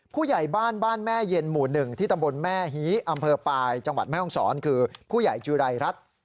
ผู้ใหญ่บ้านบ้านแม่เย็นหมู่๑ที่ตำบลแม่ฮีอำเภอปลายจังหวัดแม่ห้องศรคือผู้ใหญ่จุรายรัฐ